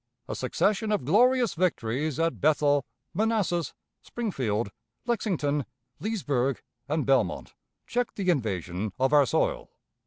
A succession of glorious victories at Bethel, Manassas, Springfield, Lexington, Leesburg, and Belmont, checked the invasion of our soil.